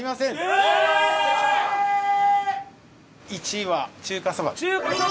１位は中華そばです。